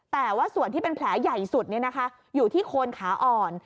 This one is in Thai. แต่ว่าส่วนที่เป็นแผลใหญ่สุดอยู่ที่โคนขาอ่อน